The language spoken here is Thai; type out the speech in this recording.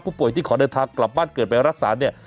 ผู้ป่วยที่ขอเดินทางกลับบ้านเกิดไปรักษาเนี่ย